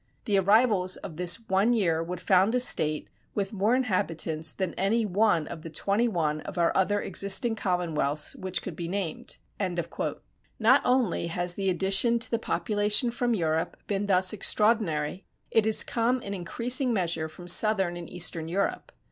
"The arrivals of this one year would found a State with more inhabitants than any one of twenty one of our other existing commonwealths which could be named." Not only has the addition to the population from Europe been thus extraordinary, it has come in increasing measure from southern and eastern Europe.